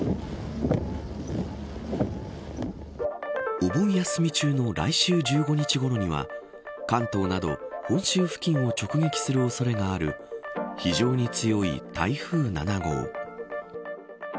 お盆休み中の来週１５日ごろには関東など本州付近を直撃する恐れがある非常に強い台風７号。